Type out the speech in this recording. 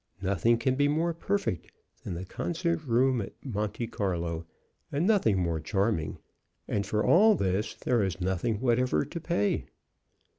Nothing can be more perfect than the concert room at Monte Carlo, and nothing more charming; and for all this there is nothing whatever to pay.